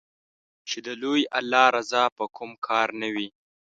چې د لوی الله رضا په کوم کار نــــــــه وي